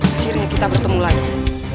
akhirnya kita bertemu lagi